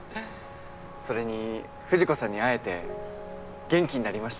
それに藤子さんに会えて元気になりました。